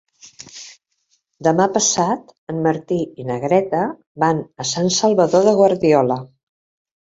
Demà passat en Martí i na Greta van a Sant Salvador de Guardiola.